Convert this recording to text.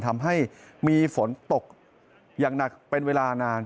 ทำให้มีฝนตกอย่างหนักเป็นเวลานาน